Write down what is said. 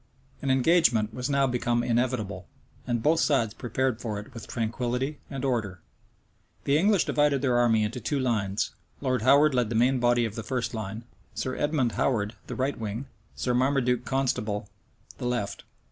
An engagement was now become inevitable, and both sides prepared for it with tranquillity and order.[*] The English divided their army into two lines: Lord Howard led the main body of the first line, Sir Edmond Howard the right wing, Sir Marmaduke Constable the left.